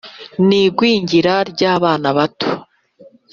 n’igwingira ry’abana bato,